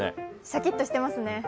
シャキッとしてますね。